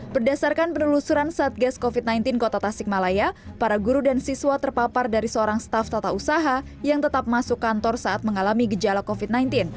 berdasarkan penelusuran satgas covid sembilan belas kota tasikmalaya para guru dan siswa terpapar dari seorang staff tata usaha yang tetap masuk kantor saat mengalami gejala covid sembilan belas